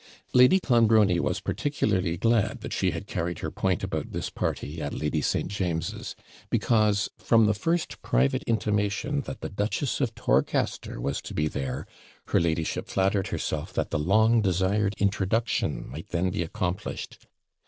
Lady Clonbrony was particularly glad that she had carried her point about this party at Lady St. James's; because, from the first private intimation that the Duchess of Torcaster was to be there, her ladyship flattered herself that the long desired introduction might then be accomplished.